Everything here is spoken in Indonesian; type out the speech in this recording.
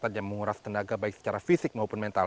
bagi atasnya menguras tenaga baik secara fisik maupun mental